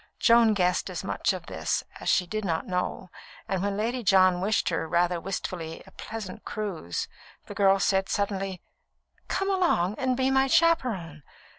Joan guessed as much of this as she did not know, and when Lady John wished her, rather wistfully, a "pleasant cruise," the girl said suddenly: "Come along and be my chaperon!